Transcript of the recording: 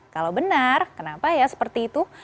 kalau benar kenapa ya seperti itu